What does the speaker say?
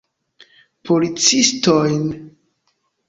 Policistojn.